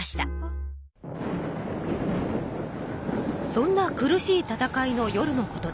そんな苦しい戦いの夜のことです。